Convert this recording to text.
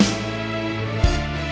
nama itu apa